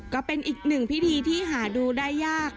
ก็เป็นอีกหนึ่งพิธีที่หาดูได้ยาก